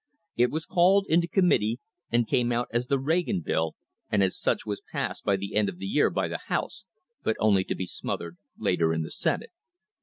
It was called into committee and came out as the Regan bill and as such was passed at the end of the year by the House, but only to be smothered later in the Senate.